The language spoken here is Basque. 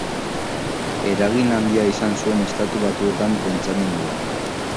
Eragin handia izan zuen Estatu Batuetako pentsamenduan.